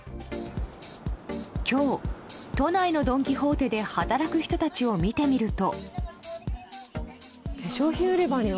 今日、都内のドン・キホーテで働く人たちを見てみると。